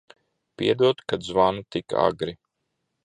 Piedod, ka zvanu tik agri.